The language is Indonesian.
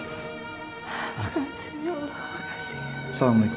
makasih ya allah makasih ya